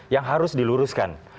yang harus diluruskan